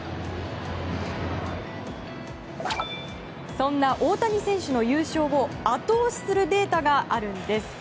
そんな大谷選手の優勝を後押しするデータがあるんです。